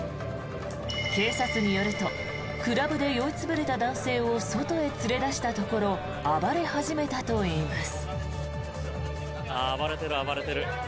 警察によるとクラブで酔い潰れた男性を外へ連れ出したところ暴れ始めたといいます。